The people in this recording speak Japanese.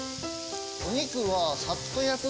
お肉は。